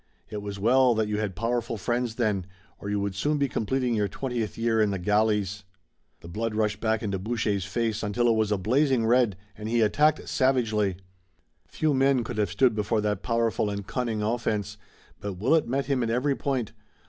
It was well that you had powerful friends then, or you would soon be completing your twentieth year in the galleys." The blood rushed back into Boucher's face until it was a blazing red, and he attacked savagely. Few men could have stood before that powerful and cunning offense, but Willet met him at every point.